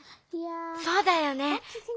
そうだよね。